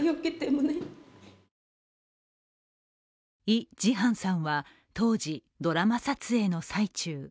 イ・ジハンさんは当時ドラマ撮影の最中。